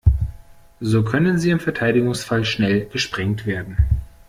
So können sie im Verteidigungsfall schnell gesprengt werden.